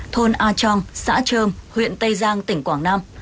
thôn a trong xã trơm huyện tây giang tỉnh quảng nam